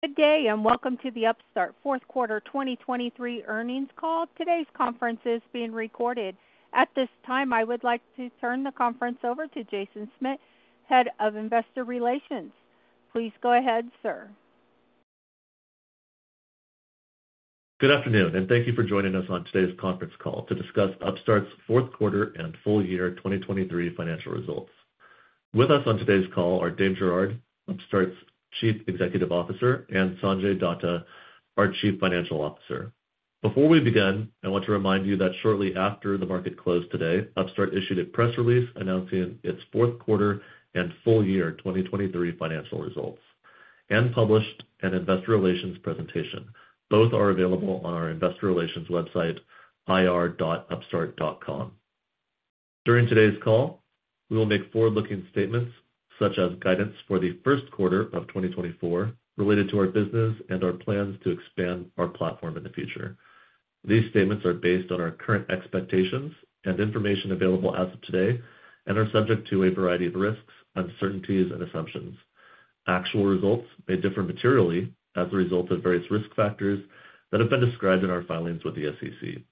Good day and welcome to the Upstart fourth quarter 2023 earnings call. Today's conference is being recorded. At this time, I would like to turn the conference over to Jason Schmidt, head of investor relations. Please go ahead, sir. Good afternoon and thank you for joining us on today's conference call to discuss Upstart's fourth quarter and full year 2023 financial results. With us on today's call are Dave Girouard, Upstart's Chief Executive Officer, and Sanjay Datta, our Chief Financial Officer. Before we begin, I want to remind you that shortly after the market closed today, Upstart issued a press release announcing its fourth quarter and full year 2023 financial results and published an investor relations presentation. Both are available on our investor relations website, ir.upstart.com. During today's call, we will make forward-looking statements such as guidance for the first quarter of 2024 related to our business and our plans to expand our platform in the future. These statements are based on our current expectations and information available as of today and are subject to a variety of risks, uncertainties, and assumptions Actual results may differ materially as a result of various risk factors that have been described in our filings with the SEC.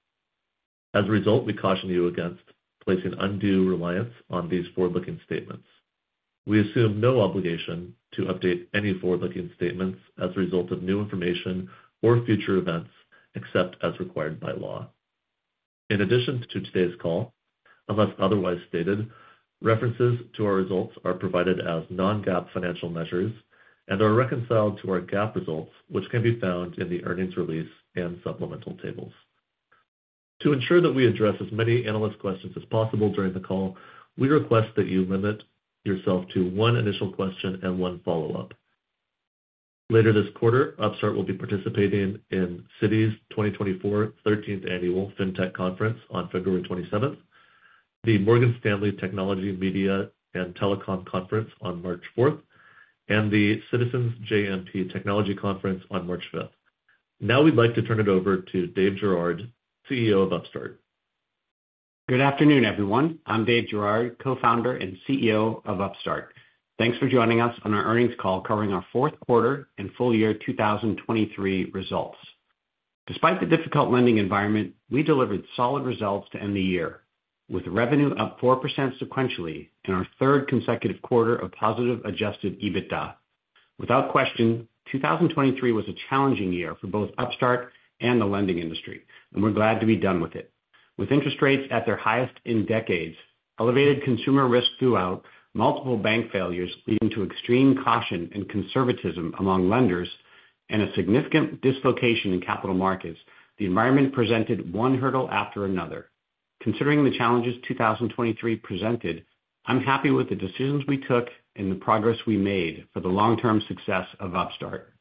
As a result, we caution you against placing undue reliance on these forward-looking statements. We assume no obligation to update any forward-looking statements as a result of new information or future events except as required by law. In addition to today's call, unless otherwise stated, references to our results are provided as non-GAAP financial measures and are reconciled to our GAAP results, which can be found in the earnings release and supplemental tables. To ensure that we address as many analyst questions as possible during the call, we request that you limit yourself to one initial question and one follow-up. Later this quarter, Upstart will be participating in Citi's 2024 13th Annual FinTech Conference on February 27th, the Morgan Stanley Technology Media and Telecom Conference on March 4th, and the Citizens JMP Technology Conference on March 5th. Now we'd like to turn it over to Dave Girouard, CEO of Upstart. Good afternoon, everyone. I'm Dave Girouard, Co-founder and CEO of Upstart. Thanks for joining us on our earnings call covering our fourth quarter and full year 2023 results. Despite the difficult lending environment, we delivered solid results to end the year with revenue up 4% sequentially in our third consecutive quarter of positive Adjusted EBITDA. Without question, 2023 was a challenging year for both Upstart and the lending industry, and we're glad to be done with it. With interest rates at their highest in decades, elevated consumer risk throughout, multiple bank failures leading to extreme caution and conservatism among lenders, and a significant dislocation in capital markets, the environment presented one hurdle after another. Considering the challenges 2023 presented, I'm happy with the decisions we took and the progress we made for the long-term success of Upstart.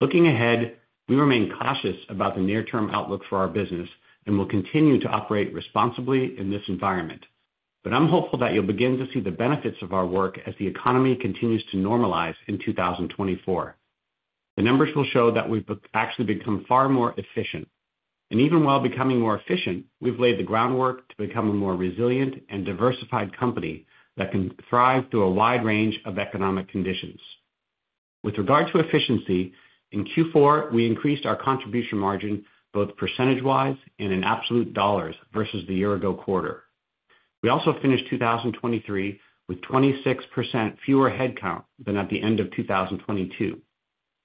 Looking ahead, we remain cautious about the near-term outlook for our business and will continue to operate responsibly in this environment. But I'm hopeful that you'll begin to see the benefits of our work as the economy continues to normalize in 2024. The numbers will show that we've actually become far more efficient. And even while becoming more efficient, we've laid the groundwork to become a more resilient and diversified company that can thrive through a wide range of economic conditions. With regard to efficiency, in Q4, we increased our contribution margin both percentage-wise and in absolute dollars versus the year-ago quarter. We also finished 2023 with 26% fewer headcount than at the end of 2022.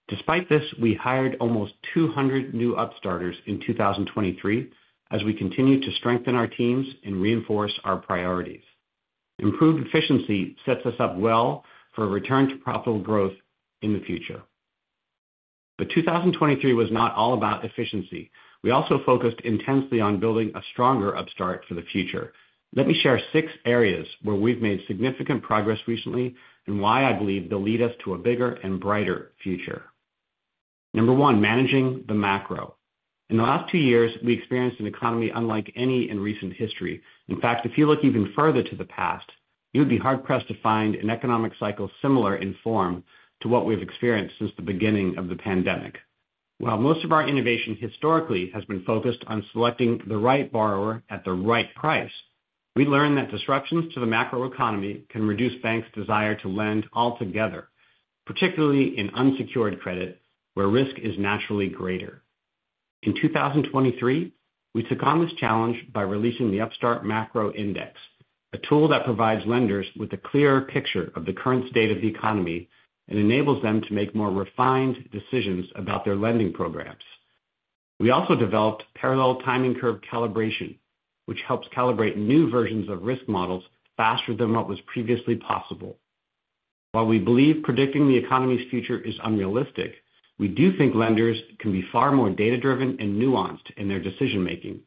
Despite this, we hired almost 200 new Upstarters in 2023 as we continue to strengthen our teams and reinforce our priorities. Improved efficiency sets us up well for return-to-profitable growth in the future. But 2023 was not all about efficiency. We also focused intensely on building a stronger Upstart for the future. Let me share six areas where we've made significant progress recently and why I believe they'll lead us to a bigger and brighter future. Number one, managing the macro. In the last two years, we experienced an economy unlike any in recent history. In fact, if you look even further to the past, you would be hard-pressed to find an economic cycle similar in form to what we've experienced since the beginning of the pandemic. While most of our innovation historically has been focused on selecting the right borrower at the right price, we learned that disruptions to the macroeconomy can reduce banks' desire to lend altogether, particularly in unsecured credit where risk is naturally greater. In 2023, we took on this challenge by releasing the Upstart Macro Index, a tool that provides lenders with a clearer picture of the current state of the economy and enables them to make more refined decisions about their lending programs. We also developed Parallel Timing Curve Calibration, which helps calibrate new versions of risk models faster than what was previously possible. While we believe predicting the economy's future is unrealistic, we do think lenders can be far more data-driven and nuanced in their decision-making.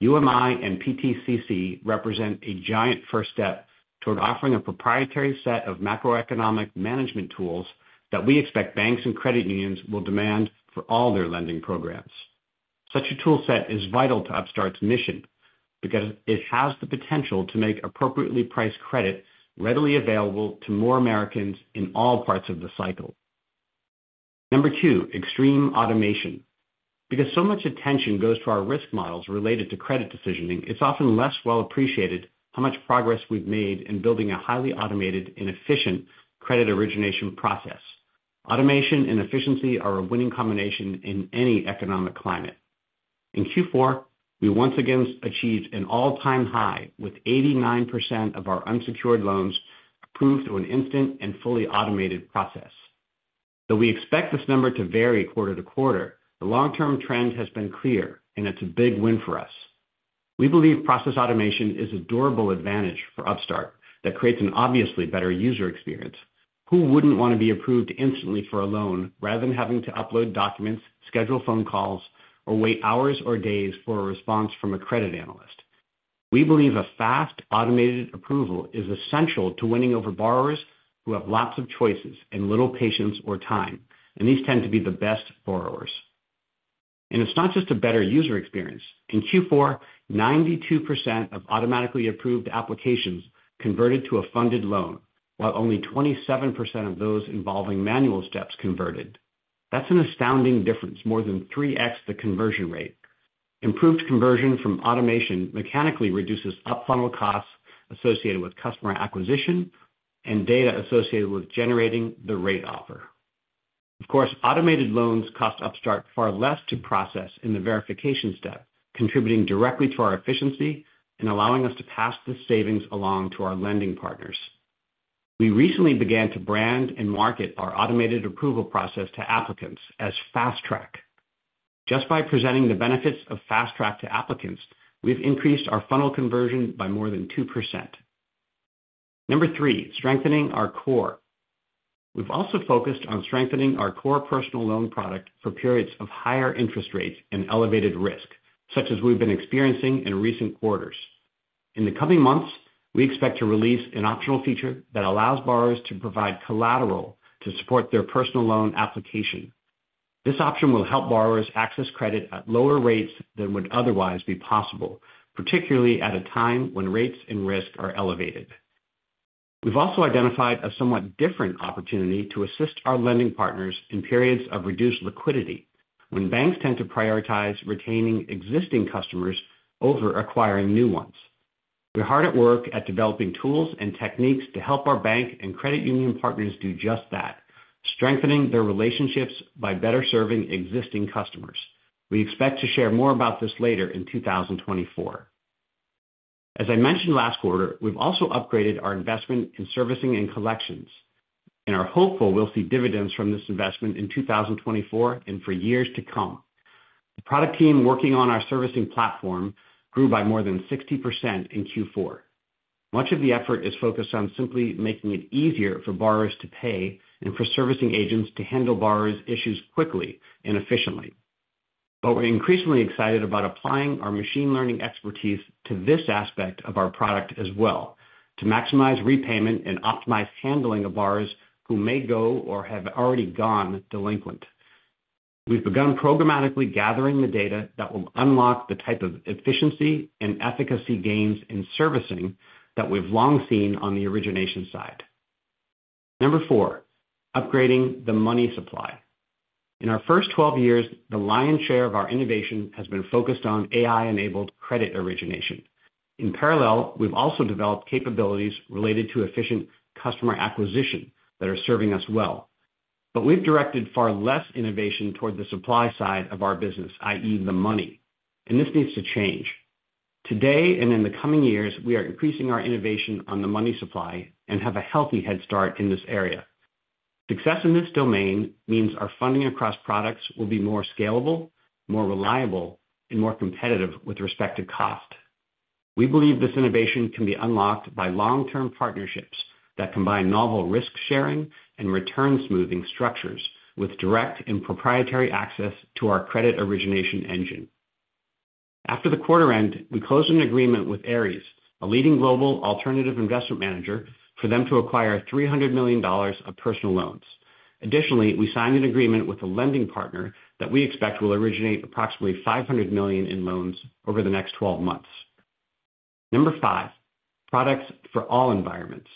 UMI and PTCC represent a giant first step toward offering a proprietary set of macroeconomic management tools that we expect banks and credit unions will demand for all their lending programs. Such a toolset is vital to Upstart's mission because it has the potential to make appropriately priced credit readily available to more Americans in all parts of the cycle. Number 2, extreme automation. Because so much attention goes to our risk models related to credit decisioning, it's often less well appreciated how much progress we've made in building a highly automated and efficient credit origination process. Automation and efficiency are a winning combination in any economic climate. In Q4, we once again achieved an all-time high with 89% of our unsecured loans approved through an instant and fully automated process. Though we expect this number to vary quarter to quarter, the long-term trend has been clear, and it's a big win for us. We believe process automation is a durable advantage for Upstart that creates an obviously better user experience. Who wouldn't want to be approved instantly for a loan rather than having to upload documents, schedule phone calls, or wait hours or days for a response from a credit analyst? We believe a fast automated approval is essential to winning over borrowers who have lots of choices and little patience or time, and these tend to be the best borrowers. It's not just a better user experience. In Q4, 92% of automatically approved applications converted to a funded loan, while only 27% of those involving manual steps converted. That's an astounding difference, more than 3x the conversion rate. Improved conversion from automation mechanically reduces upfunnel costs associated with customer acquisition and data associated with generating the rate offer. Of course, automated loans cost Upstart far less to process in the verification step, contributing directly to our efficiency and allowing us to pass the savings along to our lending partners. We recently began to brand and market our automated approval process to applicants as Fast Track. Just by presenting the benefits of Fast Track to applicants, we've increased our funnel conversion by more than 2%. Number three, strengthening our core. We've also focused on strengthening our core personal loan product for periods of higher interest rates and elevated risk, such as we've been experiencing in recent quarters. In the coming months, we expect to release an optional feature that allows borrowers to provide collateral to support their personal loan application. This option will help borrowers access credit at lower rates than would otherwise be possible, particularly at a time when rates and risk are elevated. We've also identified a somewhat different opportunity to assist our lending partners in periods of reduced liquidity, when banks tend to prioritize retaining existing customers over acquiring new ones. We're hard at work at developing tools and techniques to help our bank and credit union partners do just that, strengthening their relationships by better serving existing customers. We expect to share more about this later in 2024. As I mentioned last quarter, we've also upgraded our investment in servicing and collections, and are hopeful we'll see dividends from this investment in 2024 and for years to come. The product team working on our servicing platform grew by more than 60% in Q4. Much of the effort is focused on simply making it easier for borrowers to pay and for servicing agents to handle borrowers' issues quickly and efficiently. But we're increasingly excited about applying our machine learning expertise to this aspect of our product as well, to maximize repayment and optimize handling of borrowers who may go or have already gone delinquent. We've begun programmatically gathering the data that will unlock the type of efficiency and efficacy gains in servicing that we've long seen on the origination side. Number 4, upgrading the money supply. In our first 12 years, the lion's share of our innovation has been focused on AI-enabled credit origination. In parallel, we've also developed capabilities related to efficient customer acquisition that are serving us well. We've directed far less innovation toward the supply side of our business, i.e., the money. This needs to change. Today and in the coming years, we are increasing our innovation on the money supply and have a healthy head start in this area. Success in this domain means our funding across products will be more scalable, more reliable, and more competitive with respect to cost. We believe this innovation can be unlocked by long-term partnerships that combine novel risk-sharing and return-smoothing structures with direct and proprietary access to our credit origination engine. After the quarter end, we closed an agreement with Ares, a leading global alternative investment manager, for them to acquire $300 million of personal loans. Additionally, we signed an agreement with a lending partner that we expect will originate approximately $500 million in loans over the next 12 months. Number five, products for all environments.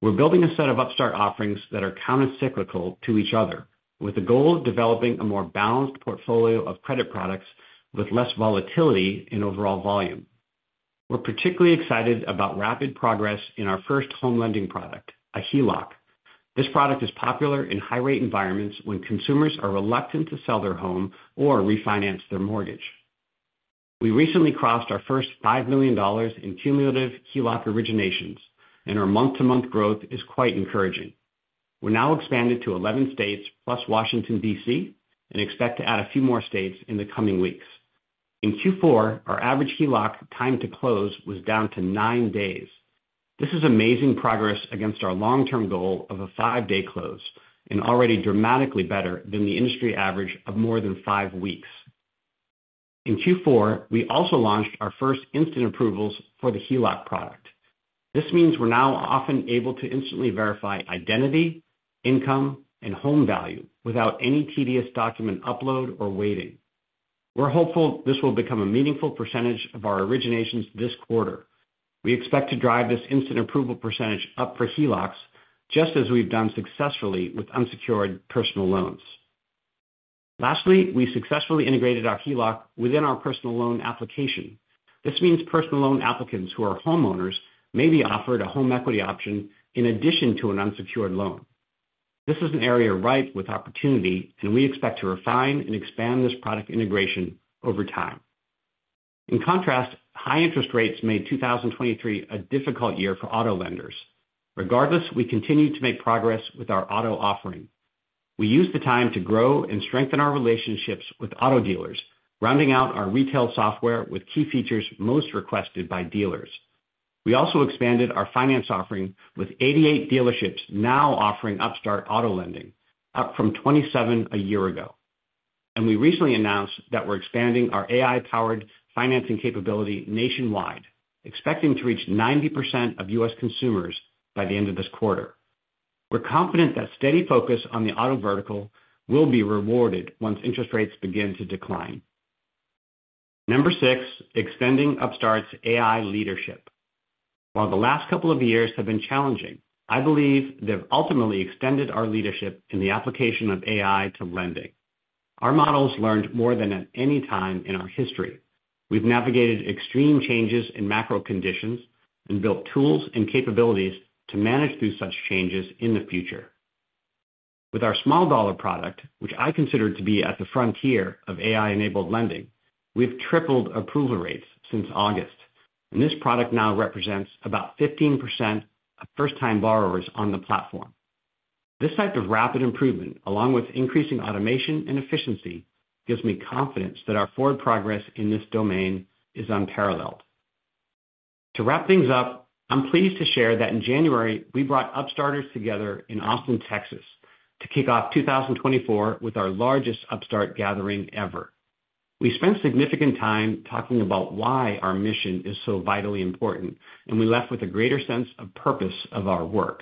We're building a set of Upstart offerings that are countercyclical to each other, with the goal of developing a more balanced portfolio of credit products with less volatility in overall volume. We're particularly excited about rapid progress in our first home lending product, a HELOC. This product is popular in high-rate environments when consumers are reluctant to sell their home or refinance their mortgage. We recently crossed our first $5 million in cumulative HELOC originations, and our month-to-month growth is quite encouraging. We're now expanded to 11 states plus Washington, D.C., and expect to add a few more states in the coming weeks. In Q4, our average HELOC time to close was down to nine days. This is amazing progress against our long-term goal of a five-day close and already dramatically better than the industry average of more than five weeks. In Q4, we also launched our first instant approvals for the HELOC product. This means we're now often able to instantly verify identity, income, and home value without any tedious document upload or waiting. We're hopeful this will become a meaningful percentage of our originations this quarter. We expect to drive this instant approval percentage up for HELOCs just as we've done successfully with unsecured personal loans. Lastly, we successfully integrated our HELOC within our personal loan application. This means personal loan applicants who are homeowners may be offered a home equity option in addition to an unsecured loan. This is an area ripe with opportunity, and we expect to refine and expand this product integration over time. In contrast, high interest rates made 2023 a difficult year for auto lenders. Regardless, we continue to make progress with our auto offering. We used the time to grow and strengthen our relationships with auto dealers, rounding out our retail software with key features most requested by dealers. We also expanded our finance offering with 88 dealerships now offering Upstart auto lending, up from 27 a year ago. We recently announced that we're expanding our AI-powered financing capability nationwide, expecting to reach 90% of U.S. consumers by the end of this quarter. We're confident that steady focus on the auto vertical will be rewarded once interest rates begin to decline. Number 6, extending Upstart's AI leadership. While the last couple of years have been challenging, I believe they've ultimately extended our leadership in the application of AI to lending. Our models learned more than at any time in our history. We've navigated extreme changes in macro conditions and built tools and capabilities to manage through such changes in the future. With our small-dollar product, which I consider to be at the frontier of AI-enabled lending, we've tripled approval rates since August, and this product now represents about 15% of first-time borrowers on the platform. This type of rapid improvement, along with increasing automation and efficiency, gives me confidence that our forward progress in this domain is unparalleled. To wrap things up, I'm pleased to share that in January, we brought Upstarters together in Austin, Texas, to kick off 2024 with our largest Upstart gathering ever. We spent significant time talking about why our mission is so vitally important, and we left with a greater sense of purpose of our work.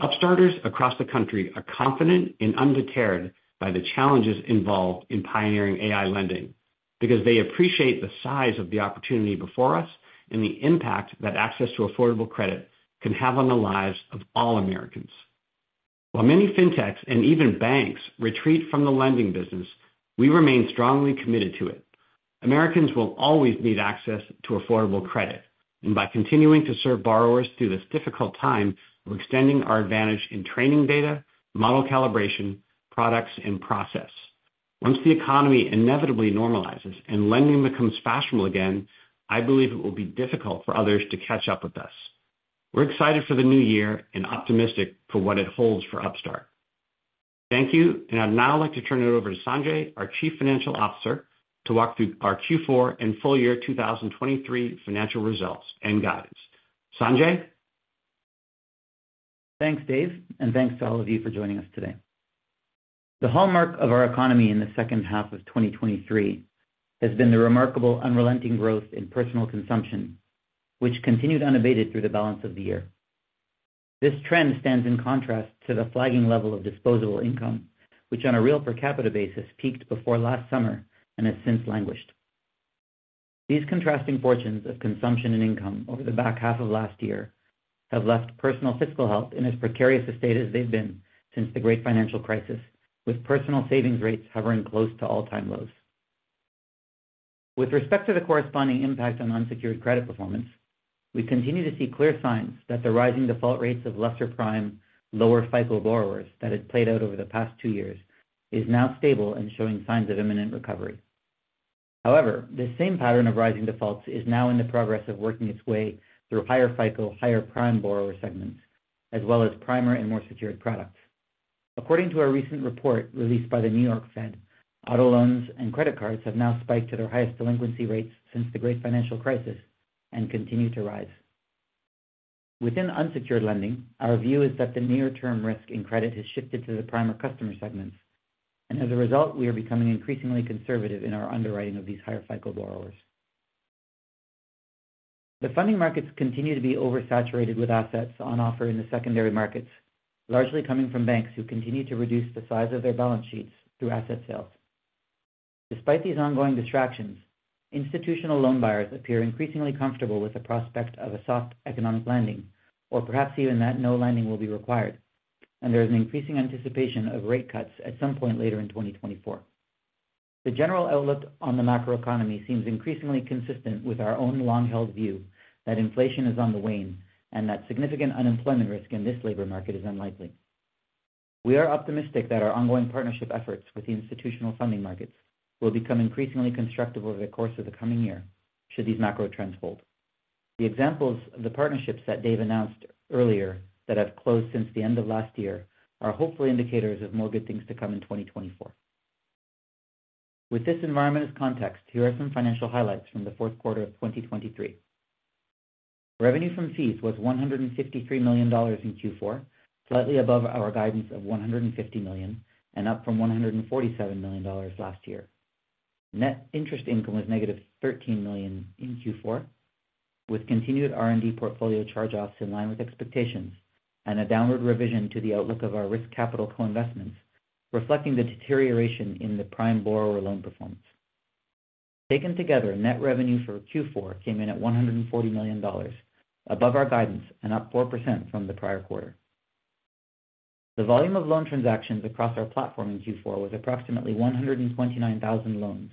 Upstarters across the country are confident and undeterred by the challenges involved in pioneering AI lending because they appreciate the size of the opportunity before us and the impact that access to affordable credit can have on the lives of all Americans. While many fintechs and even banks retreat from the lending business, we remain strongly committed to it. Americans will always need access to affordable credit, and by continuing to serve borrowers through this difficult time, we're extending our advantage in training data, model calibration, products, and process. Once the economy inevitably normalizes and lending becomes fashionable again, I believe it will be difficult for others to catch up with us. We're excited for the new year and optimistic for what it holds for Upstart. Thank you, and I'd now like to turn it over to Sanjay, our Chief Financial Officer, to walk through our Q4 and full year 2023 financial results and guidance. Sanjay? Thanks, Dave, and thanks to all of you for joining us today. The hallmark of our economy in the second half of 2023 has been the remarkable unrelenting growth in personal consumption, which continued unabated through the balance of the year. This trend stands in contrast to the flagging level of disposable income, which on a real per capita basis peaked before last summer and has since languished. These contrasting fortunes of consumption and income over the back half of last year have left personal fiscal health in as precarious a state as they've been since the Great Financial Crisis, with personal savings rates hovering close to all-time lows. With respect to the corresponding impact on unsecured credit performance, we continue to see clear signs that the rising default rates of lesser prime, lower FICO borrowers that had played out over the past two years is now stable and showing signs of imminent recovery. However, this same pattern of rising defaults is now in the progress of working its way through higher FICO, higher prime borrower segments, as well as prime and more secured products. According to a recent report released by the New York Fed, auto loans and credit cards have now spiked to their highest delinquency rates since the Great Financial Crisis and continue to rise. Within unsecured lending, our view is that the near-term risk in credit has shifted to the prime customer segments, and as a result, we are becoming increasingly conservative in our underwriting of these higher FICO borrowers. The funding markets continue to be oversaturated with assets on offer in the secondary markets, largely coming from banks who continue to reduce the size of their balance sheets through asset sales. Despite these ongoing distractions, institutional loan buyers appear increasingly comfortable with the prospect of a soft economic landing, or perhaps even that no landing will be required, and there is an increasing anticipation of rate cuts at some point later in 2024. The general outlook on the macroeconomy seems increasingly consistent with our own long-held view that inflation is on the wane and that significant unemployment risk in this labor market is unlikely. We are optimistic that our ongoing partnership efforts with the institutional funding markets will become increasingly constructive over the course of the coming year, should these macro trends hold. The examples of the partnerships that Dave announced earlier that have closed since the end of last year are hopefully indicators of more good things to come in 2024. With this environment as context, here are some financial highlights from the fourth quarter of 2023. Revenue from fees was $153 million in Q4, slightly above our guidance of $150 million and up from $147 million last year. Net interest income was negative $13 million in Q4, with continued R&D portfolio charge-offs in line with expectations and a downward revision to the outlook of our risk capital co-investments, reflecting the deterioration in the prime borrower loan performance. Taken together, net revenue for Q4 came in at $140 million, above our guidance and up 4% from the prior quarter. The volume of loan transactions across our platform in Q4 was approximately 129,000 loans,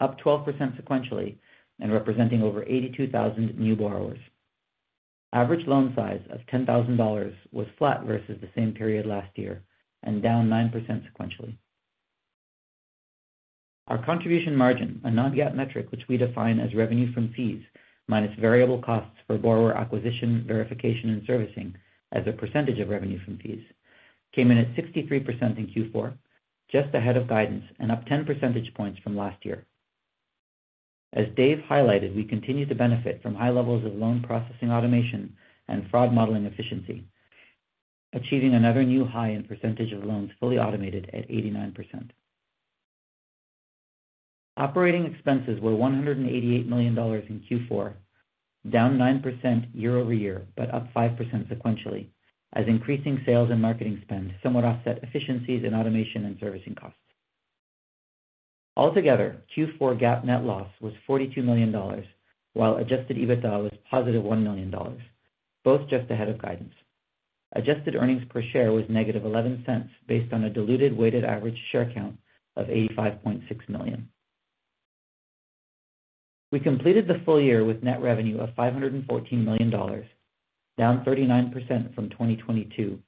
up 12% sequentially and representing over 82,000 new borrowers. Average loan size of $10,000 was flat versus the same period last year and down 9% sequentially. Our contribution margin, a non-GAAP metric which we define as revenue from fees minus variable costs for borrower acquisition, verification, and servicing as a percentage of revenue from fees, came in at 63% in Q4, just ahead of guidance and up 10 percentage points from last year. As Dave highlighted, we continue to benefit from high levels of loan processing automation and fraud modeling efficiency, achieving another new high in percentage of loans fully automated at 89%. Operating expenses were $188 million in Q4, down 9% year-over-year but up 5% sequentially, as increasing sales and marketing spend somewhat offset efficiencies in automation and servicing costs. Altogether, Q4 GAAP net loss was $42 million, while Adjusted EBITDA was positive $1 million, both just ahead of guidance. Adjusted earnings per share was negative $0.11 based on a diluted weighted average share count of 85.6 million. We completed the full year with net revenue of $514 million, down 39% from 2022,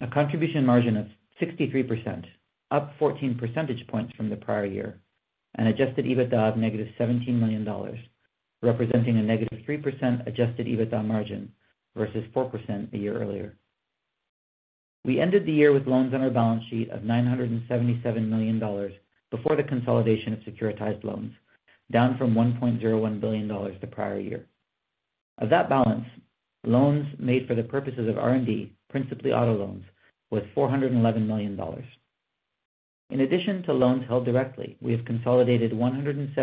a contribution margin of 63%, up 14 percentage points from the prior year, and adjusted EBITDA of negative $17 million, representing a negative 3% adjusted EBITDA margin versus 4% a year earlier. We ended the year with loans on our balance sheet of $977 million before the consolidation of securitized loans, down from $1.01 billion the prior year. Of that balance, loans made for the purposes of R&D, principally auto loans, was $411 million. In addition to loans held directly, we have consolidated $179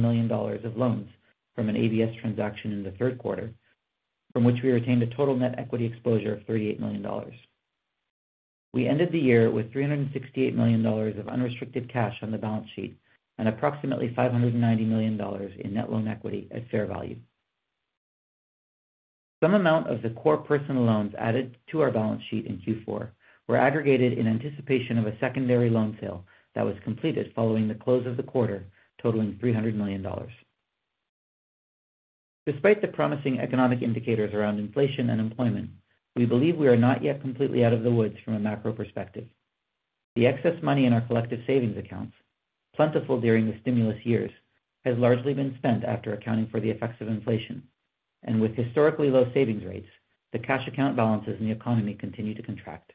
million of loans from an ABS transaction in the third quarter, from which we retained a total net equity exposure of $38 million. We ended the year with $368 million of unrestricted cash on the balance sheet and approximately $590 million in net loan equity at fair value. Some amount of the core personal loans added to our balance sheet in Q4 were aggregated in anticipation of a secondary loan sale that was completed following the close of the quarter, totaling $300 million. Despite the promising economic indicators around inflation and employment, we believe we are not yet completely out of the woods from a macro perspective. The excess money in our collective savings accounts, plentiful during the stimulus years, has largely been spent after accounting for the effects of inflation, and with historically low savings rates, the cash account balances in the economy continue to contract.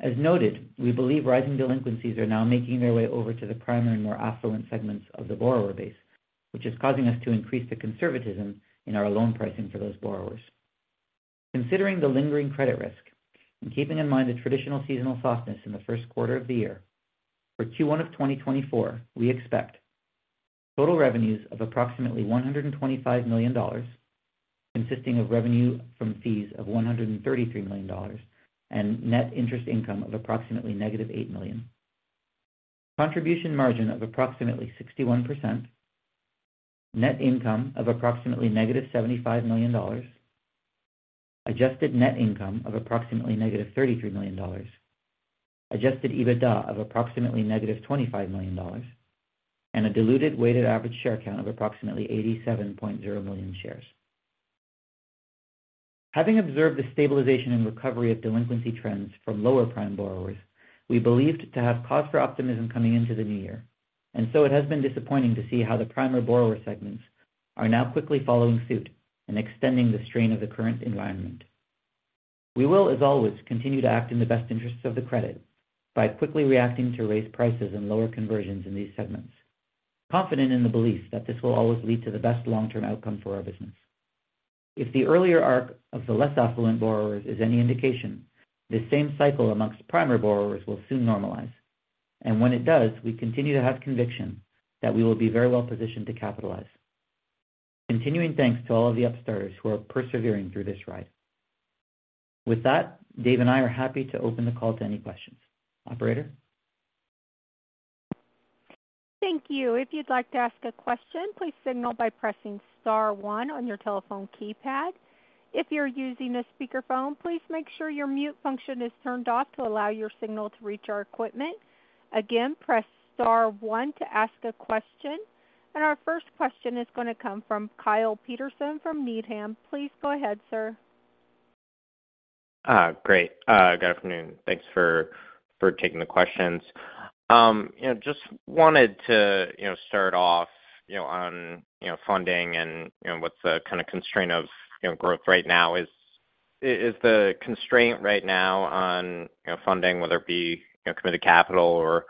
As noted, we believe rising delinquencies are now making their way over to the prime and more affluent segments of the borrower base, which is causing us to increase the conservatism in our loan pricing for those borrowers. Considering the lingering credit risk and keeping in mind the traditional seasonal softness in the first quarter of the year, for Q1 of 2024, we expect total revenues of approximately $125 million, consisting of revenue from fees of $133 million and net interest income of approximately -$8 million. Contribution margin of approximately 61%. Net income of approximately -$75 million. Adjusted net income of approximately -$33 million. Adjusted EBITDA of approximately -$25 million. And a diluted weighted average share count of approximately 87.0 million shares. Having observed the stabilization and recovery of delinquency trends from lower prime borrowers, we believed to have cause for optimism coming into the new year, and so it has been disappointing to see how the prime borrower segments are now quickly following suit and extending the strain of the current environment. We will, as always, continue to act in the best interests of the credit by quickly reacting to raised prices and lower conversions in these segments, confident in the belief that this will always lead to the best long-term outcome for our business. If the earlier arc of the less affluent borrowers is any indication, this same cycle amongst prime borrowers will soon normalize, and when it does, we continue to have conviction that we will be very well positioned to capitalize. Continuing thanks to all of the Upstarters who are persevering through this ride. With that, Dave and I are happy to open the call to any questions. Operator? Thank you. If you'd like to ask a question, please signal by pressing star one on your telephone keypad. If you're using a speakerphone, please make sure your mute function is turned off to allow your signal to reach our equipment. Again, press star one to ask a question, and our first question is going to come from Kyle Peterson from Needham. Please go ahead, sir. Great. Good afternoon. Thanks for taking the questions. Just wanted to start off on funding and what the kind of constraint of growth right now is. Is the constraint right now on funding, whether it be committed capital or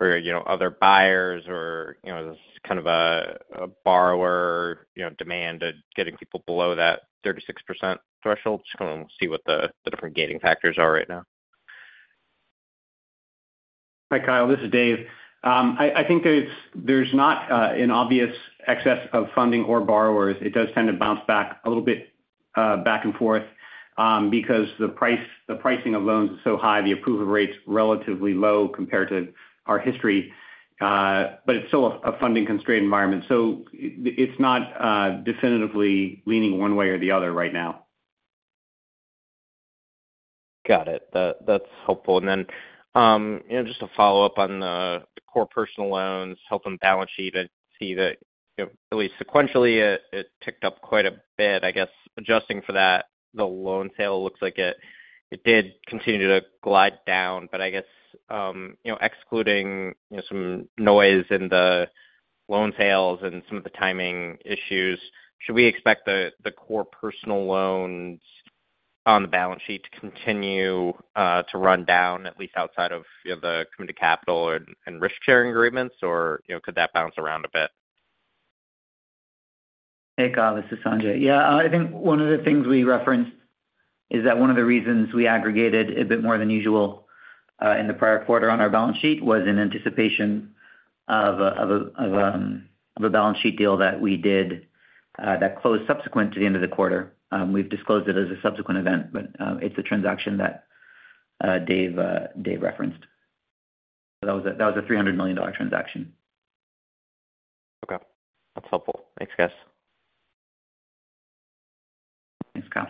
other buyers, or is this kind of a borrower demand of getting people below that 36% threshold? Just going to see what the different gating factors are right now. Hi, Kyle. This is Dave. I think there's not an obvious excess of funding or borrowers. It does tend to bounce back a little bit back and forth because the pricing of loans is so high, the approval rate's relatively low compared to our history, but it's still a funding constrained environment. So it's not definitively leaning one way or the other right now. Got it. That's helpful. And then just to follow up on the core personal loans held on the balance sheet and we see that at least sequentially, it picked up quite a bit. I guess adjusting for that, the loan sale looks like it did continue to glide down, but I guess excluding some noise in the loan sales and some of the timing issues, should we expect the core personal loans on the balance sheet to continue to run down, at least outside of the committed capital and risk-sharing agreements, or could that bounce around a bit? Hey, Kyle. This is Sanjay. Yeah, I think one of the things we referenced is that one of the reasons we aggregated a bit more than usual in the prior quarter on our balance sheet was in anticipation of a balance sheet deal that we did that closed subsequent to the end of the quarter. We've disclosed it as a subsequent event, but it's a transaction that Dave referenced. That was a $300 million transaction. Okay. That's helpful. Thanks, guys. Thanks, Kyle.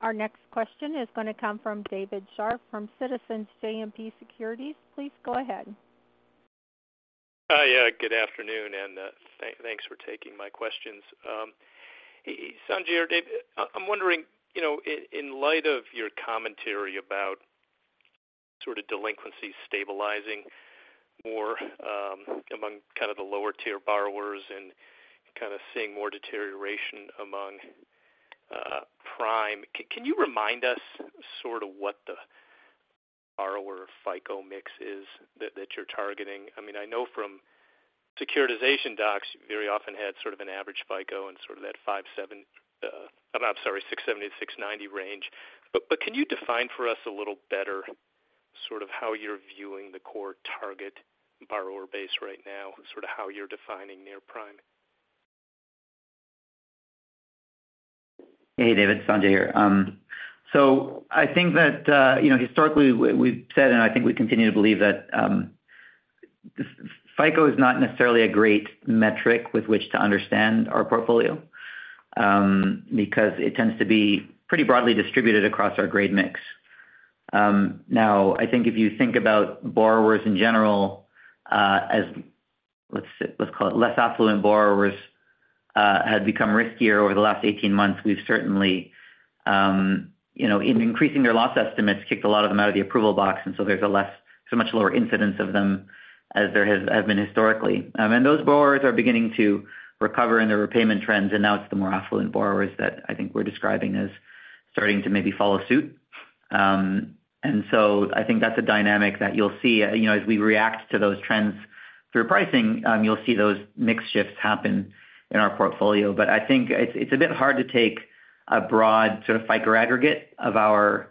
Our next question is going to come from David Scharf from Citizens JMP Securities. Please go ahead. Yeah. Good afternoon, and thanks for taking my questions. Sanjay or Dave, I'm wondering, in light of your commentary about sort of delinquencies stabilizing more among kind of the lower-tier borrowers and kind of seeing more deterioration among prime, can you remind us sort of what the borrower FICO mix is that you're targeting? I mean, I know from securitization docs, you very often had sort of an average FICO and sort of that 570. I'm sorry, 670-690 range. But can you define for us a little better sort of how you're viewing the core target borrower base right now, sort of how you're defining near prime? Hey, David. Sanjay here. So I think that historically, we've said, and I think we continue to believe that FICO is not necessarily a great metric with which to understand our portfolio because it tends to be pretty broadly distributed across our grade mix. Now, I think if you think about borrowers in general as, let's call it, less affluent borrowers had become riskier over the last 18 months, we've certainly, in increasing their loss estimates, kicked a lot of them out of the approval box, and so there's a much lower incidence of them as there has been historically. And those borrowers are beginning to recover in their repayment trends, and now it's the more affluent borrowers that I think we're describing as starting to maybe follow suit. And so I think that's a dynamic that you'll see as we react to those trends through pricing. You'll see those mix shifts happen in our portfolio. But I think it's a bit hard to take a broad sort of FICO aggregate of our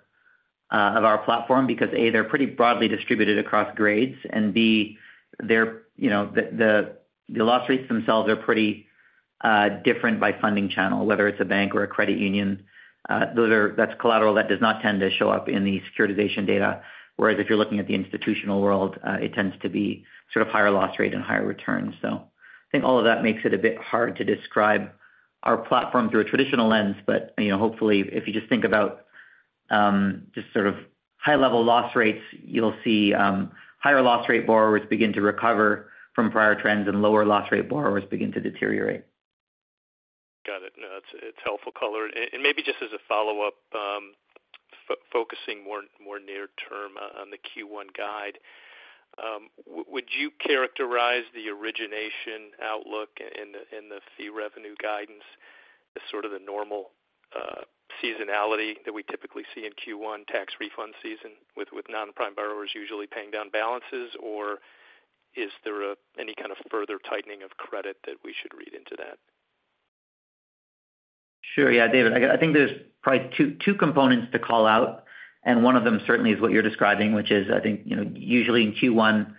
platform because, A, they're pretty broadly distributed across grades, and B, the loss rates themselves are pretty different by funding channel, whether it's a bank or a credit union. That's collateral that does not tend to show up in the securitization data, whereas if you're looking at the institutional world, it tends to be sort of higher loss rate and higher return. So I think all of that makes it a bit hard to describe our platform through a traditional lens, but hopefully, if you just think about just sort of high-level loss rates, you'll see higher loss rate borrowers begin to recover from prior trends and lower loss rate borrowers begin to deteriorate. Got it. No, it's helpful color. Maybe just as a follow-up, focusing more near-term on the Q1 guide, would you characterize the origination outlook in the fee revenue guidance as sort of the normal seasonality that we typically see in Q1, tax refund season, with non-prime borrowers usually paying down balances, or is there any kind of further tightening of credit that we should read into that? Sure. Yeah, David, I think there's probably two components to call out, and one of them certainly is what you're describing, which is, I think, usually in Q1,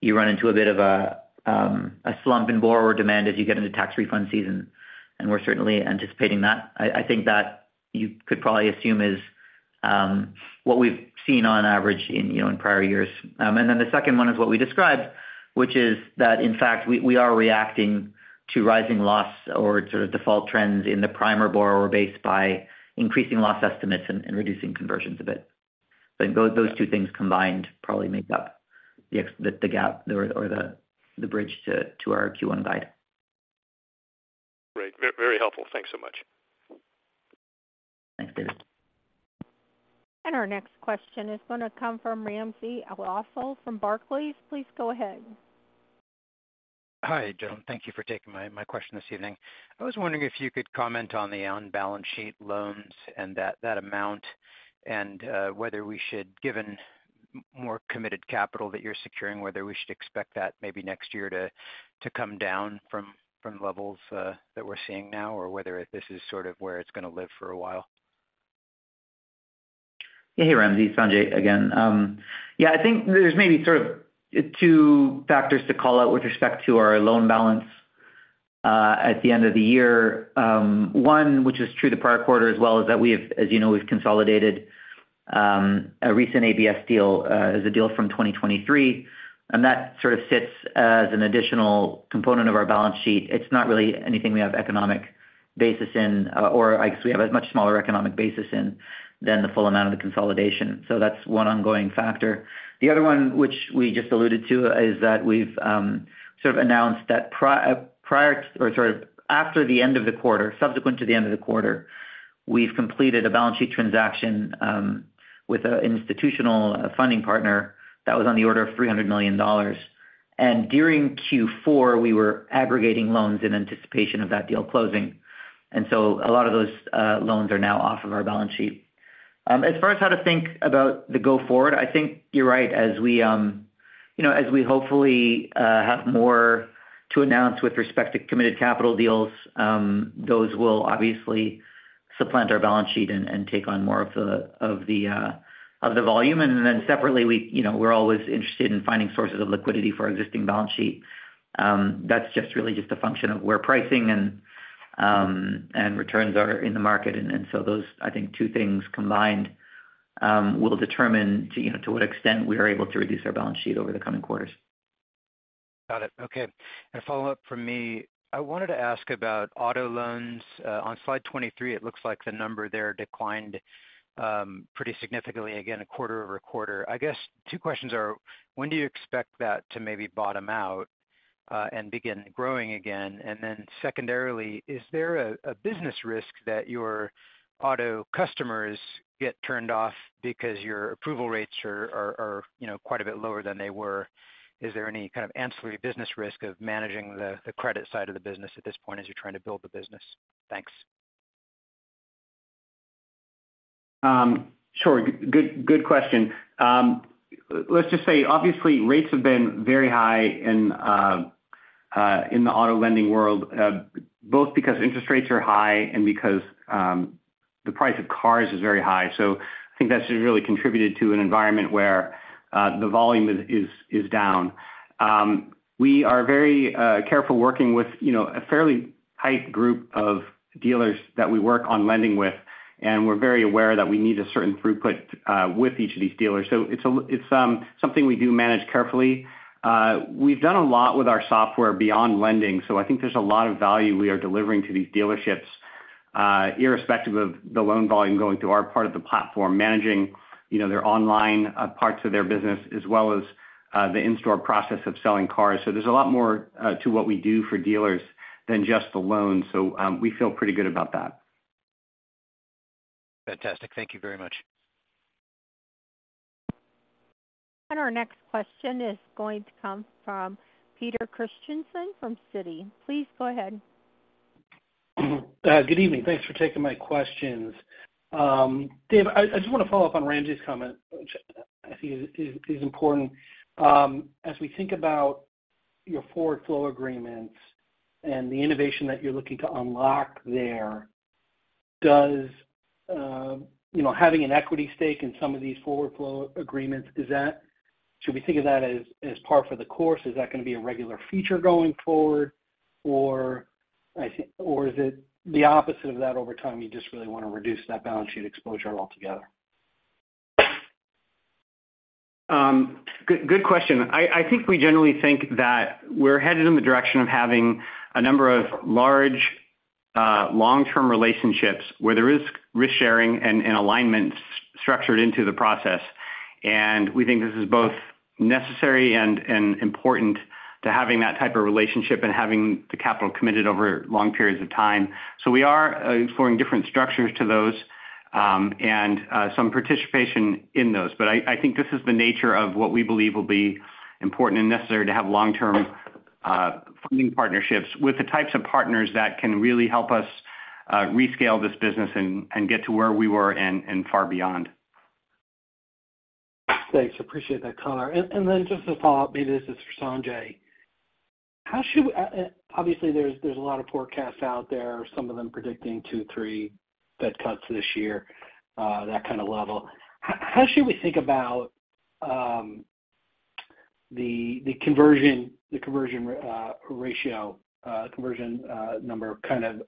you run into a bit of a slump in borrower demand as you get into tax refund season, and we're certainly anticipating that. I think that you could probably assume is what we've seen on average in prior years. And then the second one is what we described, which is that, in fact, we are reacting to rising loss or sort of default trends in the prime borrower base by increasing loss estimates and reducing conversions a bit. I think those two things combined probably make up the gap or the bridge to our Q1 guide. Great. Very helpful. Thanks so much. Thanks, David. Our next question is going to come from Ramsey El-Assal from Barclays. Please go ahead. Hi, John. Thank you for taking my question this evening. I was wondering if you could comment on the on-balance sheet loans and that amount and whether we should, given more committed capital that you're securing, whether we should expect that maybe next year to come down from levels that we're seeing now or whether this is sort of where it's going to live for a while? Yeah, hey, Ramsey. Sanjay again. Yeah, I think there's maybe sort of two factors to call out with respect to our loan balance at the end of the year. One, which is true the prior quarter as well, is that, as you know, we've consolidated a recent ABS deal. It's a deal from 2023, and that sort of sits as an additional component of our balance sheet. It's not really anything we have economic basis in, or I guess we have a much smaller economic basis in than the full amount of the consolidation. So that's one ongoing factor. The other one, which we just alluded to, is that we've sort of announced that prior or sort of after the end of the quarter, subsequent to the end of the quarter, we've completed a balance sheet transaction with an institutional funding partner that was on the order of $300 million. During Q4, we were aggregating loans in anticipation of that deal closing. So a lot of those loans are now off of our balance sheet. As far as how to think about the go forward, I think you're right. As we hopefully have more to announce with respect to committed capital deals, those will obviously supplant our balance sheet and take on more of the volume. Then separately, we're always interested in finding sources of liquidity for existing balance sheet. That's really just a function of where pricing and returns are in the market. So those, I think, two things combined will determine to what extent we are able to reduce our balance sheet over the coming quarters. Got it. Okay. And a follow-up from me. I wanted to ask about auto loans. On slide 23, it looks like the number there declined pretty significantly, again, quarter-over-quarter. I guess two questions are, when do you expect that to maybe bottom out and begin growing again? And then secondarily, is there a business risk that your auto customers get turned off because your approval rates are quite a bit lower than they were? Is there any kind of ancillary business risk of managing the credit side of the business at this point as you're trying to build the business? Thanks. Sure. Good question. Let's just say, obviously, rates have been very high in the auto lending world, both because interest rates are high and because the price of cars is very high. So I think that's really contributed to an environment where the volume is down. We are very careful working with a fairly tight group of dealers that we work on lending with, and we're very aware that we need a certain throughput with each of these dealers. So it's something we do manage carefully. We've done a lot with our software beyond lending, so I think there's a lot of value we are delivering to these dealerships, irrespective of the loan volume going through our part of the platform, managing their online parts of their business as well as the in-store process of selling cars. So there's a lot more to what we do for dealers than just the loans, so we feel pretty good about that. Fantastic. Thank you very much. Our next question is going to come from Peter Christiansen from Citi. Please go ahead. Good evening. Thanks for taking my questions. Dave, I just want to follow up on Ramsey's comment, which I think is important. As we think about your forward flow agreements and the innovation that you're looking to unlock there, does having an equity stake in some of these forward flow agreements, should we think of that as par for the course? Is that going to be a regular feature going forward, or is it the opposite of that over time? You just really want to reduce that balance sheet exposure altogether? Good question. I think we generally think that we're headed in the direction of having a number of large long-term relationships where there is risk-sharing and alignment structured into the process. And we think this is both necessary and important to having that type of relationship and having the capital committed over long periods of time. So we are exploring different structures to those and some participation in those. But I think this is the nature of what we believe will be important and necessary to have long-term funding partnerships with the types of partners that can really help us rescale this business and get to where we were and far beyond. Thanks. Appreciate that color. And then just a follow-up, maybe this is for Sanjay. Obviously, there's a lot of forecasts out there, some of them predicting 2, 3 Fed cuts this year, that kind of level. How should we think about the conversion ratio, the conversion number kind of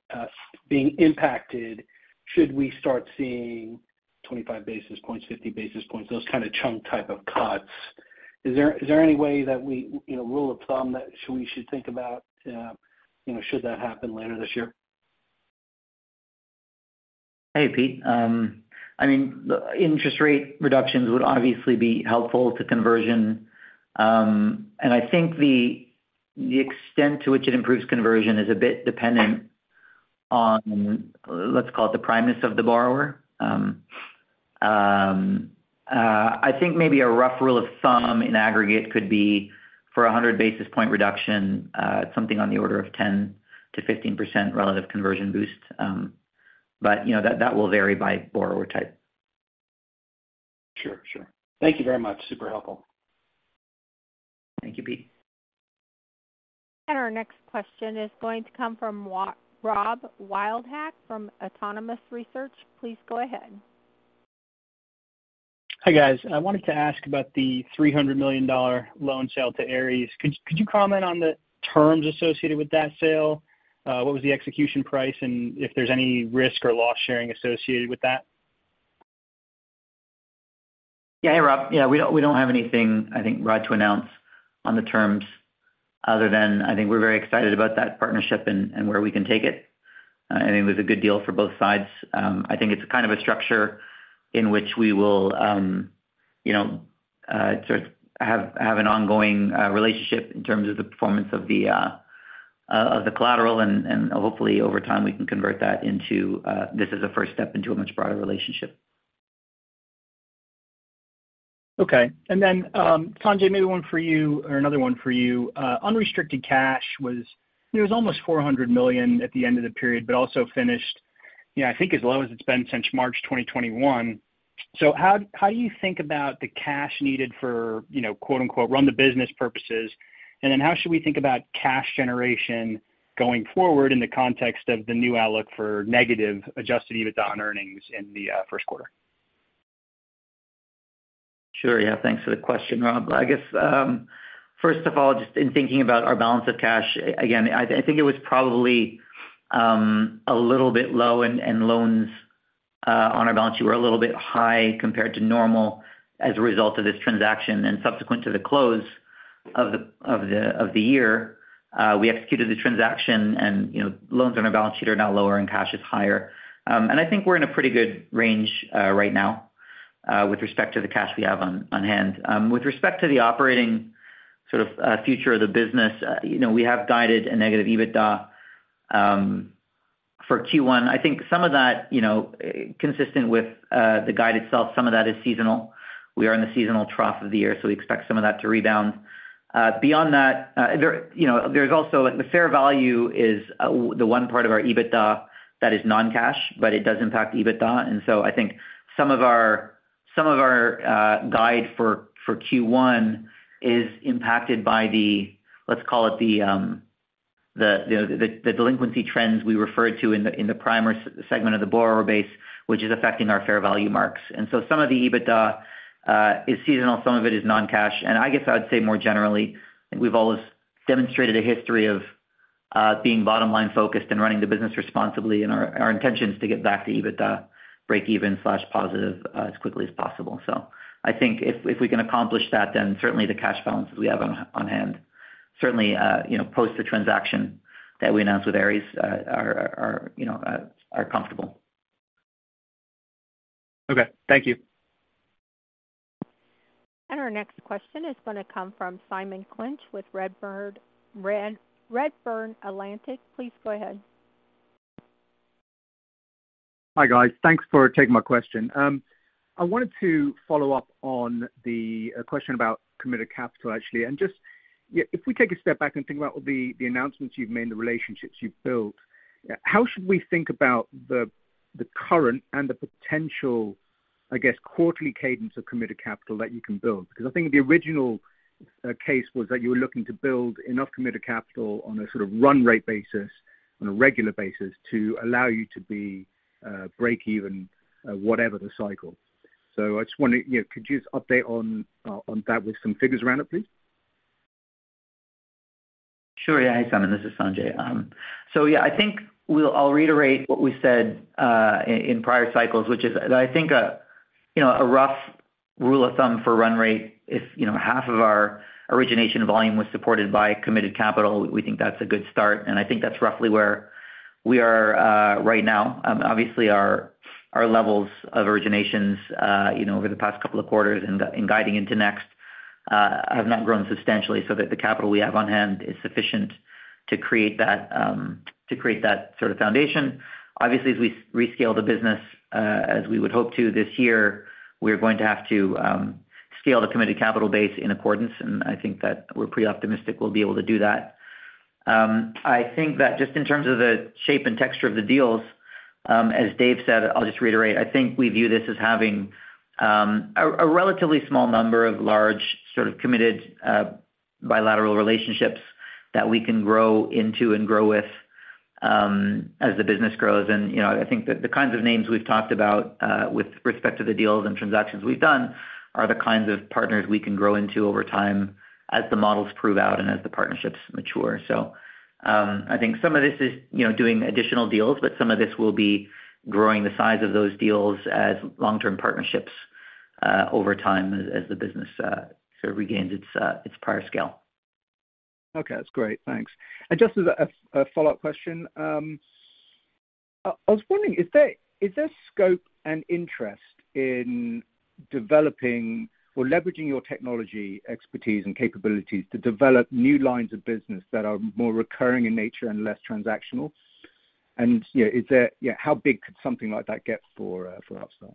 being impacted? Should we start seeing 25 basis points, 50 basis points, those kind of chunk type of cuts? Is there any way that we, rule of thumb, that we should think about should that happen later this year? Hey, Pete. I mean, interest rate reductions would obviously be helpful to conversion. And I think the extent to which it improves conversion is a bit dependent on, let's call it, the primacy of the borrower. I think maybe a rough rule of thumb in aggregate could be for 100 basis point reduction, something on the order of 10%-15% relative conversion boost. But that will vary by borrower type. Sure. Sure. Thank you very much. Super helpful. Thank you, Pete. Our next question is going to come from Rob Wildhack from Autonomous Research. Please go ahead. Hi, guys. I wanted to ask about the $300 million loan sale to Ares. Could you comment on the terms associated with that sale? What was the execution price and if there's any risk or loss sharing associated with that? Yeah. Hey, Rob. Yeah, we don't have anything, I think, Rob, to announce on the terms other than I think we're very excited about that partnership and where we can take it. I think it was a good deal for both sides. I think it's kind of a structure in which we will sort of have an ongoing relationship in terms of the performance of the collateral, and hopefully, over time, we can convert that into this as a first step into a much broader relationship. Okay. And then, Sanjay, maybe one for you or another one for you. Unrestricted cash, it was almost $400 million at the end of the period, but also finished, I think, as low as it's been since March 2021. So how do you think about the cash needed for, quote-unquote, "run the business purposes"? And then how should we think about cash generation going forward in the context of the new outlook for negative Adjusted EBITDA on earnings in the first quarter? Sure. Yeah. Thanks for the question, Rob. I guess, first of all, just in thinking about our balance of cash, again, I think it was probably a little bit low, and loans on our balance sheet were a little bit high compared to normal as a result of this transaction. Subsequent to the close of the year, we executed the transaction, and loans on our balance sheet are now lower and cash is higher. I think we're in a pretty good range right now with respect to the cash we have on hand. With respect to the operating sort of future of the business, we have guided a negative EBITDA for Q1. I think some of that, consistent with the guide itself, some of that is seasonal. We are in the seasonal trough of the year, so we expect some of that to rebound. Beyond that, there's also the fair value is the one part of our EBITDA that is non-cash, but it does impact EBITDA. And so I think some of our guidance for Q1 is impacted by the, let's call it, the delinquency trends we referred to in the prime segment of the borrower base, which is affecting our fair value marks. And so some of the EBITDA is seasonal, some of it is non-cash. And I guess I would say more generally, we've always demonstrated a history of being bottom-line focused and running the business responsibly, and our intention is to get back to EBITDA break even/positive as quickly as possible. So I think if we can accomplish that, then certainly the cash balances we have on hand, certainly post the transaction that we announced with Ares, are comfortable. Okay. Thank you. Our next question is going to come from Simon Clinch with Redburn Atlantic. Please go ahead. Hi, guys. Thanks for taking my question. I wanted to follow up on the question about committed capital, actually. Just if we take a step back and think about the announcements you've made, the relationships you've built, how should we think about the current and the potential, I guess, quarterly cadence of committed capital that you can build? Because I think the original case was that you were looking to build enough committed capital on a sort of run-rate basis, on a regular basis, to allow you to be break even, whatever the cycle. I just wondered, could you just update on that with some figures around it, please? Sure. Yeah. Hey, Simon. This is Sanjay. So yeah, I think I'll reiterate what we said in prior cycles, which is that I think a rough rule of thumb for run rate, if half of our origination volume was supported by committed capital, we think that's a good start. I think that's roughly where we are right now. Obviously, our levels of originations over the past couple of quarters and guiding into next have not grown substantially so that the capital we have on hand is sufficient to create that sort of foundation. Obviously, as we rescale the business as we would hope to this year, we're going to have to scale the committed capital base in accordance, and I think that we're pretty optimistic we'll be able to do that. I think that just in terms of the shape and texture of the deals, as Dave said, I'll just reiterate, I think we view this as having a relatively small number of large sort of committed bilateral relationships that we can grow into and grow with as the business grows. I think that the kinds of names we've talked about with respect to the deals and transactions we've done are the kinds of partners we can grow into over time as the models prove out and as the partnerships mature. I think some of this is doing additional deals, but some of this will be growing the size of those deals as long-term partnerships over time as the business sort of regains its prior scale. Okay. That's great. Thanks. And just as a follow-up question, I was wondering, is there scope and interest in developing or leveraging your technology expertise and capabilities to develop new lines of business that are more recurring in nature and less transactional? And how big could something like that get for Upstart?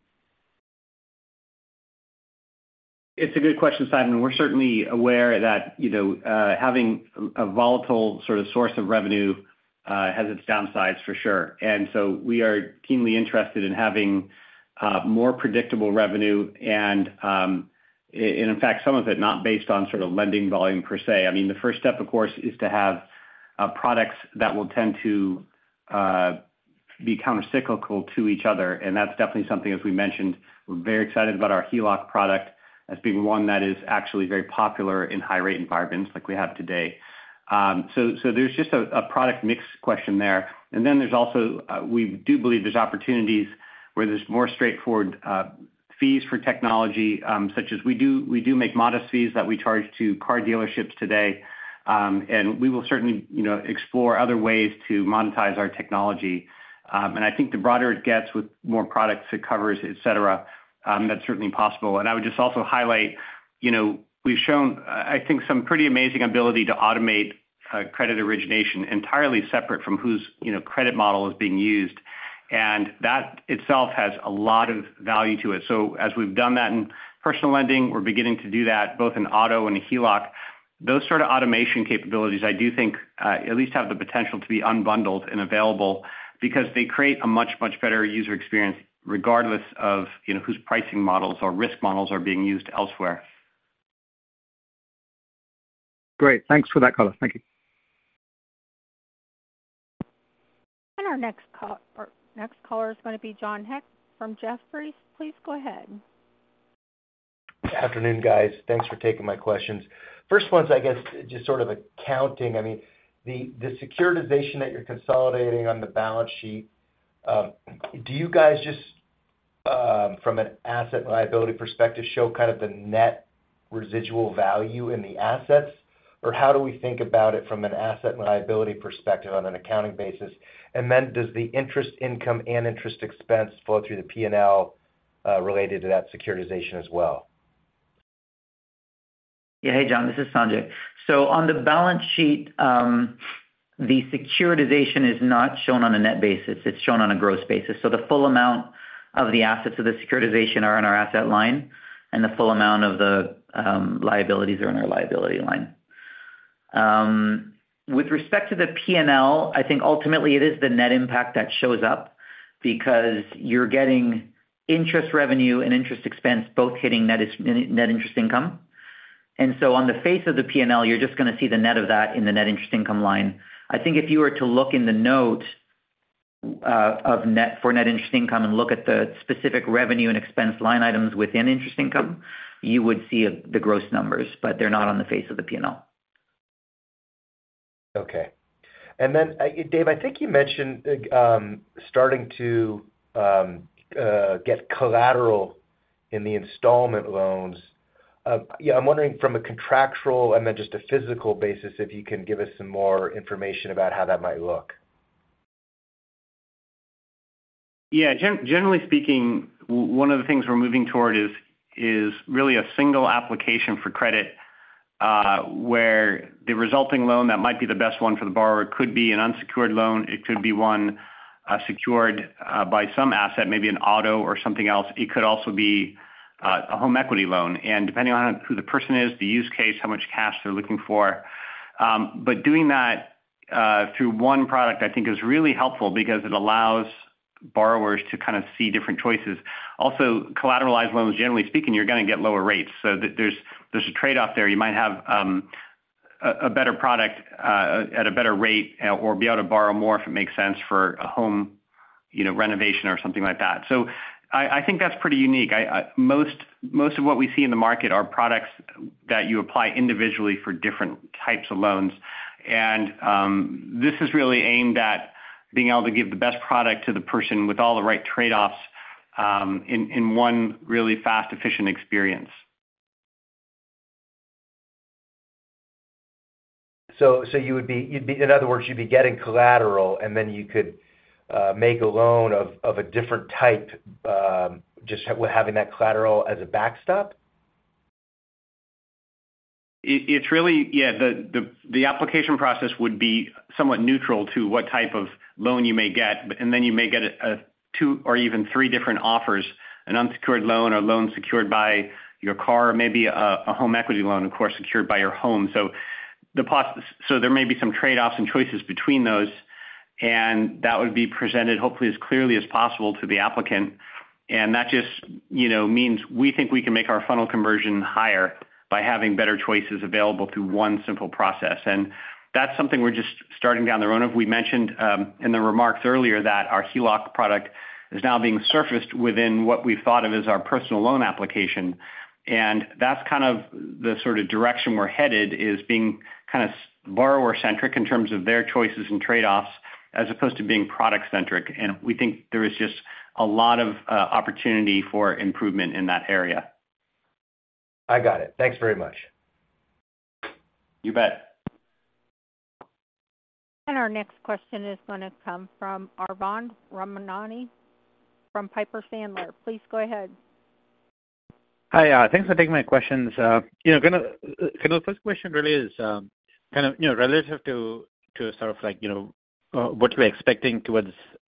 It's a good question, Simon. We're certainly aware that having a volatile sort of source of revenue has its downsides for sure. And so we are keenly interested in having more predictable revenue and, in fact, some of it not based on sort of lending volume per se. I mean, the first step, of course, is to have products that will tend to be countercyclical to each other. And that's definitely something, as we mentioned, we're very excited about our HELOC product as being one that is actually very popular in high-rate environments like we have today. So there's just a product mix question there. And then there's also, we do believe there's opportunities where there's more straightforward fees for technology, such as we do make modest fees that we charge to car dealerships today. And we will certainly explore other ways to monetize our technology. And I think the broader it gets with more products it covers, etc., that's certainly possible. And I would just also highlight, we've shown, I think, some pretty amazing ability to automate credit origination entirely separate from whose credit model is being used. And that itself has a lot of value to it. So as we've done that in personal lending, we're beginning to do that both in auto and in HELOC. Those sort of automation capabilities, I do think, at least have the potential to be unbundled and available because they create a much, much better user experience regardless of whose pricing models or risk models are being used elsewhere. Great. Thanks for that color. Thank you. Our next caller is going to be John Hecht from Jefferies. Please go ahead. Good afternoon, guys. Thanks for taking my questions. First one, I guess, just sort of accounting. I mean, the securitization that you're consolidating on the balance sheet, do you guys just, from an asset liability perspective, show kind of the net residual value in the assets? Or how do we think about it from an asset liability perspective on an accounting basis? And then does the interest income and interest expense flow through the P&L related to that securitization as well? Yeah. Hey, John. This is Sanjay. So on the balance sheet, the securitization is not shown on a net basis. It's shown on a gross basis. So the full amount of the assets of the securitization are in our asset line, and the full amount of the liabilities are in our liability line. With respect to the P&L, I think ultimately it is the net impact that shows up because you're getting interest revenue and interest expense both hitting net interest income. And so on the face of the P&L, you're just going to see the net of that in the net interest income line. I think if you were to look in the note for net interest income and look at the specific revenue and expense line items within interest income, you would see the gross numbers, but they're not on the face of the P&L. Okay. And then, Dave, I think you mentioned starting to get collateral in the installment loans. I'm wondering, from a contractual and then just a physical basis, if you can give us some more information about how that might look? Yeah. Generally speaking, one of the things we're moving toward is really a single application for credit where the resulting loan that might be the best one for the borrower could be an unsecured loan. It could be one secured by some asset, maybe an auto or something else. It could also be a home equity loan. And depending on who the person is, the use case, how much cash they're looking for. But doing that through one product, I think, is really helpful because it allows borrowers to kind of see different choices. Also, collateralized loans, generally speaking, you're going to get lower rates. So there's a trade-off there. You might have a better product at a better rate or be able to borrow more if it makes sense for a home renovation or something like that. So I think that's pretty unique. Most of what we see in the market are products that you apply individually for different types of loans. This is really aimed at being able to give the best product to the person with all the right trade-offs in one really fast, efficient experience. You would be, in other words, you'd be getting collateral, and then you could make a loan of a different type just having that collateral as a backstop? Yeah. The application process would be somewhat neutral to what type of loan you may get. And then you may get two or even three different offers: an unsecured loan or loan secured by your car, maybe a home equity loan, of course, secured by your home. So there may be some trade-offs and choices between those. And that would be presented, hopefully, as clearly as possible to the applicant. And that just means we think we can make our funnel conversion higher by having better choices available through one simple process. And that's something we're just starting down the road of. We mentioned in the remarks earlier that our HELOC product is now being surfaced within what we've thought of as our personal loan application. That's kind of the sort of direction we're headed is being kind of borrower-centric in terms of their choices and trade-offs as opposed to being product-centric. We think there is just a lot of opportunity for improvement in that area. I got it. Thanks very much. You bet. Our next question is going to come from Arvind Ramnani from Piper Sandler. Please go ahead. Hi. Thanks for taking my questions. Kind of the first question really is kind of relative to sort of what you were expecting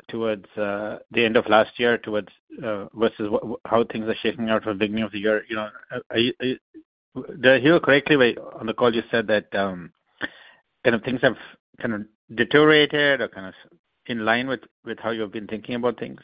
towards the end of last year versus how things are shaping out for the beginning of the year. Did I hear correctly? On the call, you said that kind of things have kind of deteriorated or kind of in line with how you have been thinking about things?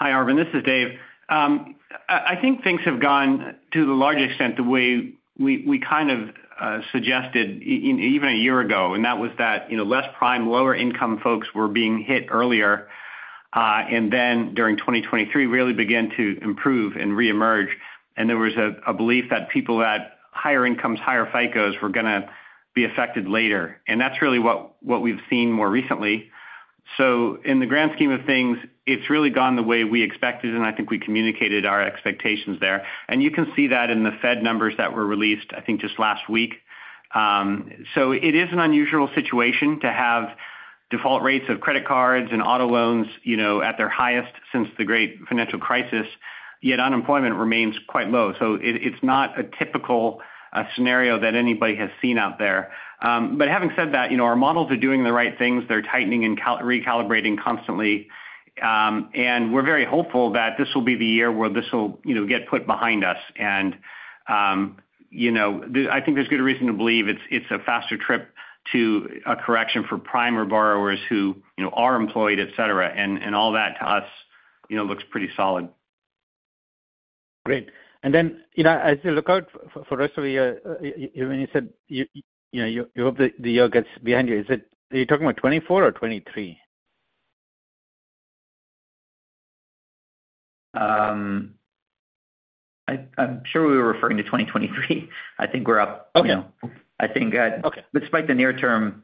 Hi, Arvind. This is Dave. I think things have gone, to the largest extent, the way we kind of suggested even a year ago. And that was that less prime, lower-income folks were being hit earlier. And then during 2023, really began to improve and reemerge. And there was a belief that people at higher incomes, higher FICOs were going to be affected later. And that's really what we've seen more recently. So in the grand scheme of things, it's really gone the way we expected, and I think we communicated our expectations there. And you can see that in the Fed numbers that were released, I think, just last week. So it is an unusual situation to have default rates of credit cards and auto loans at their highest since the Great Financial Crisis, yet unemployment remains quite low. So it's not a typical scenario that anybody has seen out there. But having said that, our models are doing the right things. They're tightening and recalibrating constantly. And we're very hopeful that this will be the year where this will get put behind us. And I think there's good reason to believe it's a faster trip to a correction for prime or borrowers who are employed, etc. And all that to us looks pretty solid. Great. And then as you look out for the rest of the year, when you said you hope the year gets behind you, are you talking about 2024 or 2023? I'm sure we were referring to 2023. I think we're up. I think despite the near-term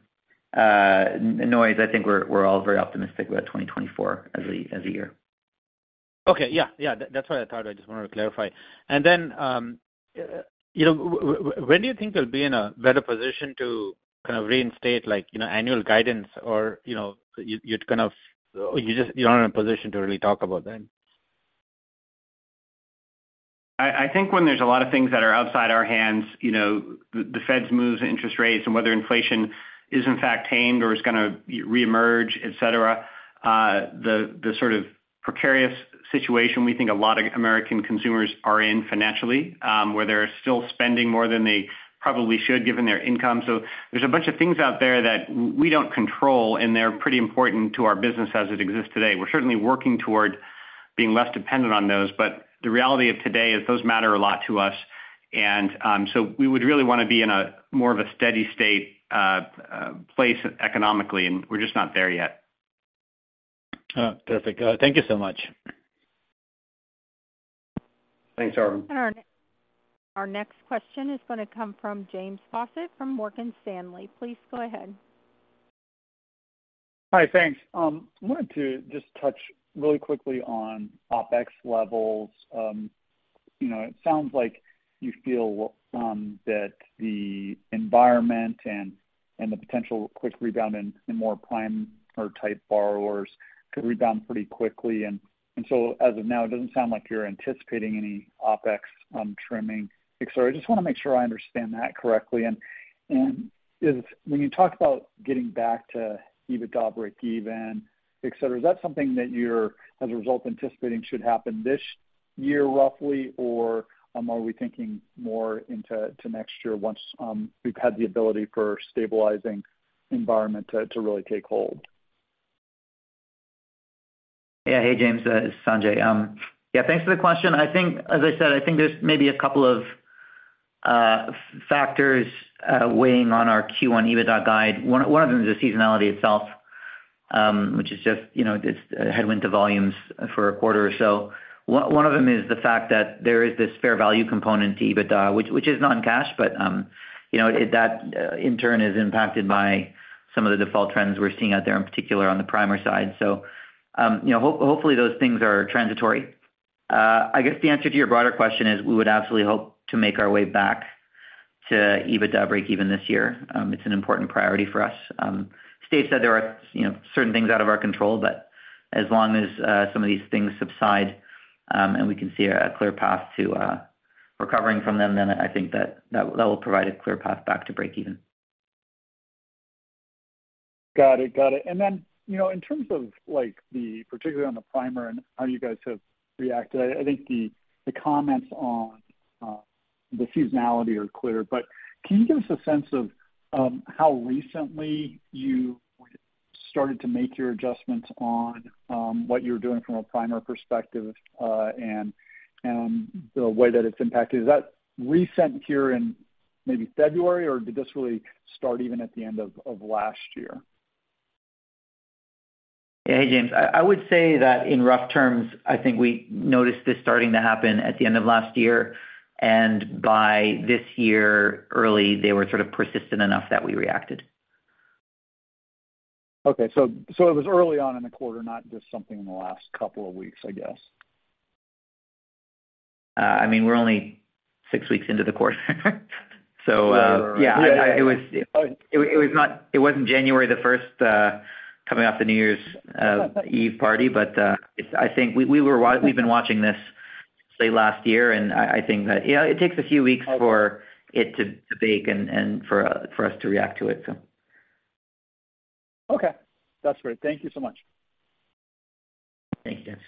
noise, I think we're all very optimistic about 2024 as a year. Okay. Yeah. Yeah. That's what I thought. I just wanted to clarify. And then when do you think you'll be in a better position to kind of reinstate annual guidance or you're kind of you're not in a position to really talk about that? I think when there's a lot of things that are outside our hands, the Fed's moves, interest rates, and whether inflation is, in fact, tamed or is going to reemerge, etc., the sort of precarious situation we think a lot of American consumers are in financially, where they're still spending more than they probably should given their income. So there's a bunch of things out there that we don't control, and they're pretty important to our business as it exists today. We're certainly working toward being less dependent on those. But the reality of today is those matter a lot to us. And so we would really want to be in more of a steady state place economically, and we're just not there yet. Perfect. Thank you so much. Thanks, Arvind. Our next question is going to come from James Faucette from Morgan Stanley. Please go ahead. Hi. Thanks. I wanted to just touch really quickly on OpEx levels. It sounds like you feel that the environment and the potential quick rebound in more prime-type borrowers could rebound pretty quickly. And so as of now, it doesn't sound like you're anticipating any OpEx trimming, etc. I just want to make sure I understand that correctly. And when you talk about getting back to EBITDA, break-even, etc., is that something that you're, as a result, anticipating should happen this year, roughly, or are we thinking more into next year once we've had the ability for a stabilizing environment to really take hold? Yeah. Hey, James. It's Sanjay. Yeah. Thanks for the question. As I said, I think there's maybe a couple of factors weighing on our Q1 EBITDA guide. One of them is the seasonality itself, which is just it's headwind to volumes for a quarter or so. One of them is the fact that there is this fair value component to EBITDA, which is not in cash, but that, in turn, is impacted by some of the default trends we're seeing out there, in particular on the primer side. So hopefully, those things are transitory. I guess the answer to your broader question is we would absolutely hope to make our way back to EBITDA break-even this year. It's an important priority for us. Dave said there are certain things out of our control, but as long as some of these things subside and we can see a clear path to recovering from them, then I think that that will provide a clear path back to break-even. Got it. Got it. And then in terms of the particularly on the primer and how you guys have reacted, I think the comments on the seasonality are clear. But can you give us a sense of how recently you started to make your adjustments on what you were doing from a primer perspective and the way that it's impacted? Is that recent here in maybe February, or did this really start even at the end of last year? Yeah. Hey, James. I would say that in rough terms, I think we noticed this starting to happen at the end of last year. By early this year, they were sort of persistent enough that we reacted. Okay. So it was early on in the quarter, not just something in the last couple of weeks, I guess? I mean, we're only six weeks into the quarter. So yeah. It wasn't January the 1st coming off the New Year's Eve party, but I think we've been watching this late last year. And I think that, yeah, it takes a few weeks for it to bake and for us to react to it, so. Okay. That's great. Thank you so much. Thank you, James.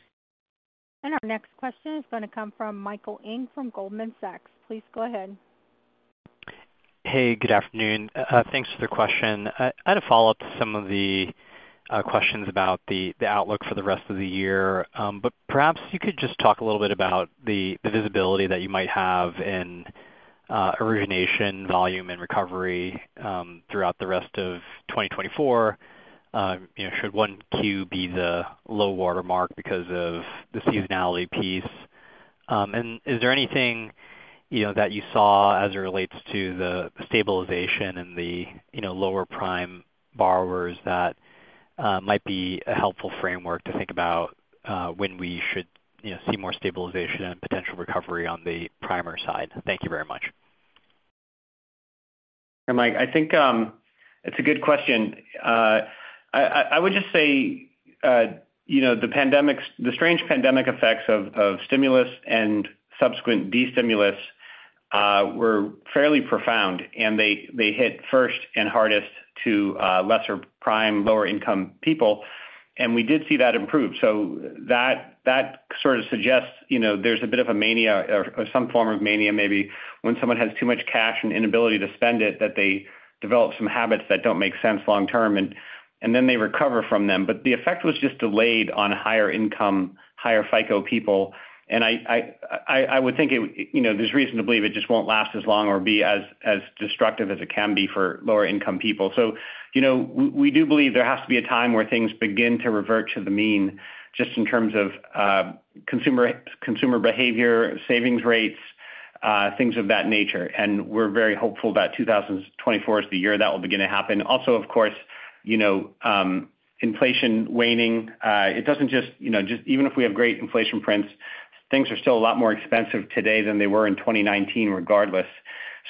Our next question is going to come from Michael Ng from Goldman Sachs. Please go ahead. Hey. Good afternoon. Thanks for the question. I had to follow up some of the questions about the outlook for the rest of the year. But perhaps you could just talk a little bit about the visibility that you might have in origination, volume, and recovery throughout the rest of 2024. Should 1Q be the low-water mark because of the seasonality piece? And is there anything that you saw as it relates to the stabilization and the lower prime borrowers that might be a helpful framework to think about when we should see more stabilization and potential recovery on the prime side? Thank you very much. Mike, I think it's a good question. I would just say the strange pandemic effects of stimulus and subsequent destimulus were fairly profound, and they hit first and hardest to lesser prime, lower-income people. We did see that improve. That sort of suggests there's a bit of a mania or some form of mania, maybe, when someone has too much cash and inability to spend it that they develop some habits that don't make sense long-term, and then they recover from them. The effect was just delayed on higher-income, higher FICO people. I would think it's reason to believe it just won't last as long or be as destructive as it can be for lower-income people. We do believe there has to be a time where things begin to revert to the mean just in terms of consumer behavior, savings rates, things of that nature. We're very hopeful that 2024 is the year that will begin to happen. Also, of course, inflation waning. It doesn't just even if we have great inflation prints, things are still a lot more expensive today than they were in 2019, regardless.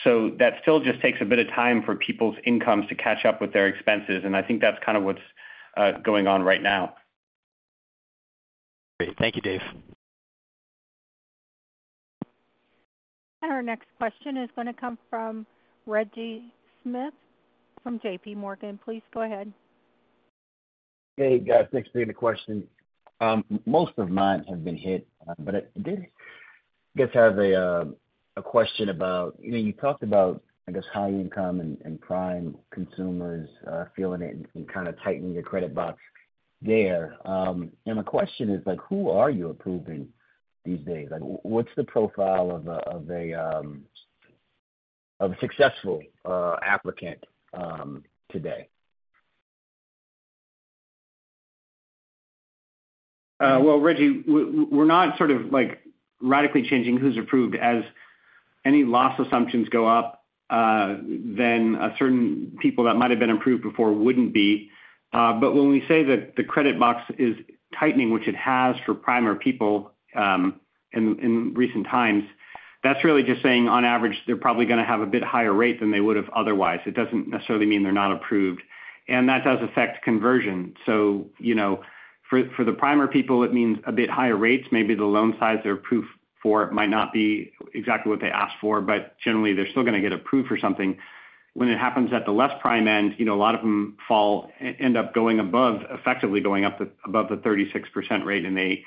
So that still just takes a bit of time for people's incomes to catch up with their expenses. And I think that's kind of what's going on right now. Great. Thank you, Dave. Our next question is going to come from Reggie Smith from J.P. Morgan. Please go ahead. Hey, guys. Thanks for taking the question. Most of mine have been hit, but I did, I guess, have a question about you talked about, I guess, high income and prime consumers feeling it and kind of tightening your credit box there. And my question is, who are you approving these days? What's the profile of a successful applicant today? Well, Reggie, we're not sort of radically changing who's approved. As any loss assumptions go up, then certain people that might have been approved before wouldn't be. But when we say that the credit box is tightening, which it has for prime people in recent times, that's really just saying, on average, they're probably going to have a bit higher rate than they would have otherwise. It doesn't necessarily mean they're not approved. And that does affect conversion. So for the prime people, it means a bit higher rates. Maybe the loan size they're approved for might not be exactly what they asked for, but generally, they're still going to get approved for something. When it happens at the less prime end, a lot of them end up going above, effectively going up above the 36% rate, and they,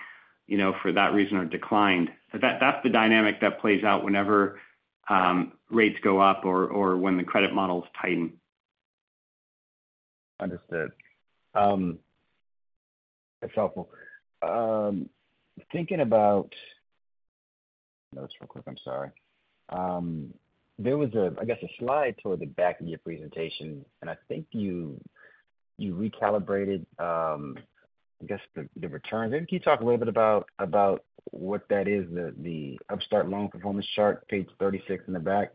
for that reason, are declined. That's the dynamic that plays out whenever rates go up or when the credit models tighten. Understood. That's helpful. Thinking about notes real quick, I'm sorry. There was, I guess, a slide toward the back of your presentation, and I think you recalibrated, I guess, the returns. Maybe can you talk a little bit about what that is, the Upstart loan performance chart, page 36 in the back,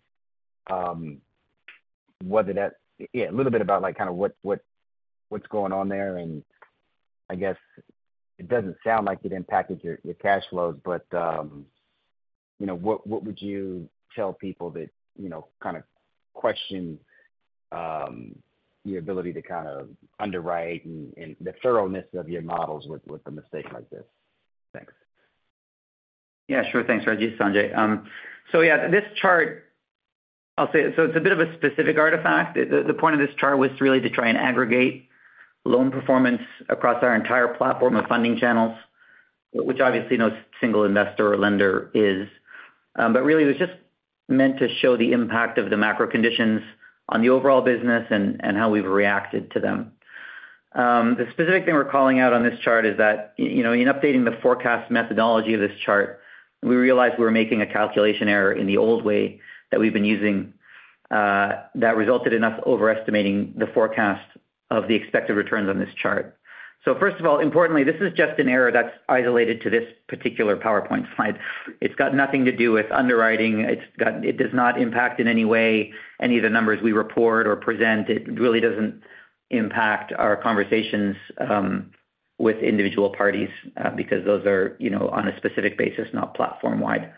whether that, yeah, a little bit about kind of what's going on there. And I guess it doesn't sound like it impacted your cash flows, but what would you tell people that kind of question your ability to kind of underwrite and the thoroughness of your models with a mistake like this? Thanks. Yeah. Sure. Thanks, Reggie, Sanjay. So yeah, this chart, I'll say, so it's a bit of a specific artifact. The point of this chart was really to try and aggregate loan performance across our entire platform of funding channels, which obviously no single investor or lender is. But really, it was just meant to show the impact of the macro conditions on the overall business and how we've reacted to them. The specific thing we're calling out on this chart is that in updating the forecast methodology of this chart, we realized we were making a calculation error in the old way that we've been using that resulted in us overestimating the forecast of the expected returns on this chart. So first of all, importantly, this is just an error that's isolated to this particular PowerPoint slide. It's got nothing to do with underwriting. It does not impact in any way any of the numbers we report or present. It really doesn't impact our conversations with individual parties because those are on a specific basis, not platform-wide.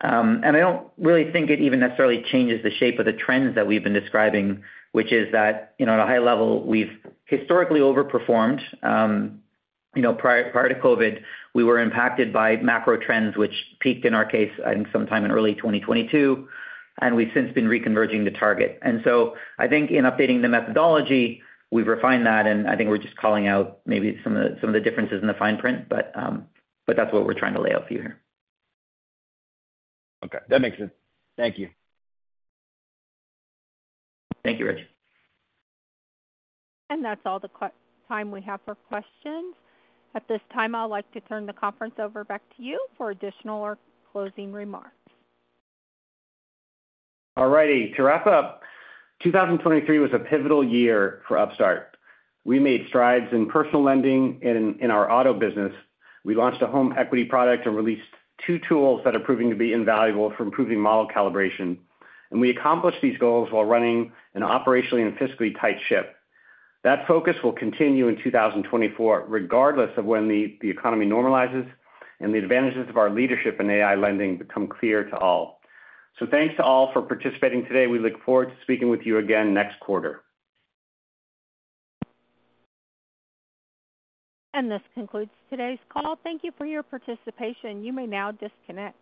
I don't really think it even necessarily changes the shape of the trends that we've been describing, which is that at a high level, we've historically overperformed. Prior to COVID, we were impacted by macro trends, which peaked in our case, I think, sometime in early 2022. We've since been reconverging to target. So I think in updating the methodology, we've refined that. I think we're just calling out maybe some of the differences in the fine print, but that's what we're trying to lay out for you here. Okay. That makes sense. Thank you. Thank you, Reggie. That's all the time we have for questions. At this time, I'd like to turn the conference over back to you for additional or closing remarks. All righty. To wrap up, 2023 was a pivotal year for Upstart. We made strides in personal lending and in our auto business. We launched a home equity product and released two tools that are proving to be invaluable for improving model calibration. And we accomplished these goals while running an operationally and fiscally tight ship. That focus will continue in 2024, regardless of when the economy normalizes and the advantages of our leadership in AI lending become clear to all. So thanks to all for participating today. We look forward to speaking with you again next quarter. This concludes today's call. Thank you for your participation. You may now disconnect.